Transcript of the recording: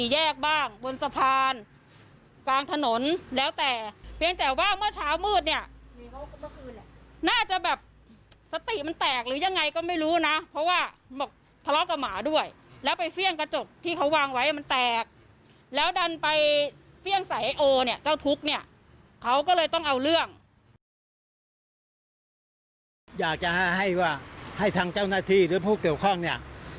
อยากจะให้ว่าให้ทางเจ้าหน้าที่หรือผู้เกี่ยวข้องเนี่ย